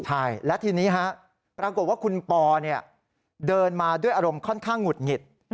ใช่และทีนี้ปรากฏว่าคุณปอเดินมาด้วยอารมณ์ค่อนข้างหงุดหงิด